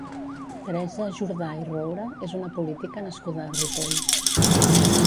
Teresa Jordà i Roura és una política nascuda a Ripoll.